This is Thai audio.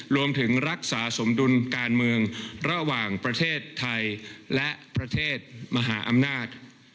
รวมถึงรักษาสมดุลการเมืองระหว่างประเทศไทยและประเทศมหาอำนาจ